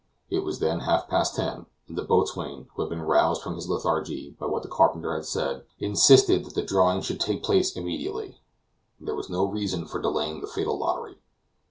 It was then half past ten, and the boatswain, who had been roused from his lethargy by what the carpenter had said, insisted that the drawing should take place immediately. There was no reason for delaying the fatal lottery.